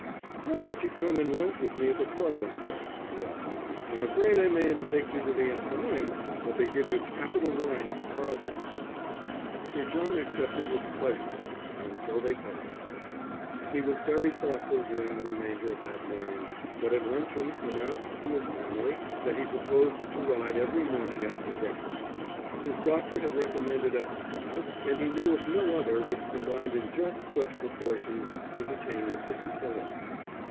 "Why don't you come and lunch with me at the club one day?" he asked. "I'm afraid I mayn't take you to the Athenæum, but they give you capital wine at the Carlton." Sir John accepted with pleasure, and so they parted. He was very thoughtful during the remainder of that morning, but at luncheon announced to his family that he proposed to ride every morning after breakfast. His doctor had recommended exercise, and he knew of no other which combined in such just proportions entertainment with utility.